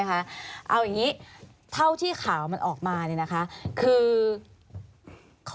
เอาอย่างงี้ข่าวนี้ที่ข่าวออกมาคือ